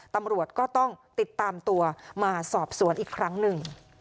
ตำรวจก็ต้องติดตามตัวมาสอบสวนอีกครั้งหนึ่ง